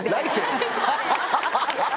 ハハハ！